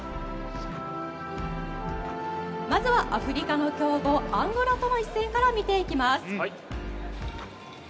まずはアフリカの強豪アンゴラとの一戦から見ていきます。